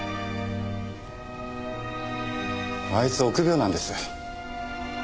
あいつ臆病なんです。